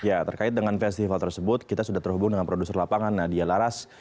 ya terkait dengan festival tersebut kita sudah terhubung dengan produser lapangan nadia laras